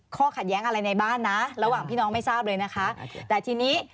ข้อขัดแย้งอะไรในบ้านนะระหว่างพี่น้องไม่ทราบเลยนะคะแต่ทีนี้